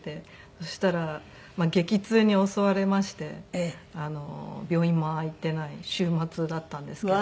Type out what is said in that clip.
そしたら激痛に襲われまして病院も開いていない週末だったんですけど。